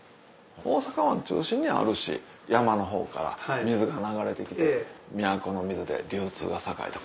大阪湾中心にあるし山の方から水が流れてきて都の水で流通が栄えた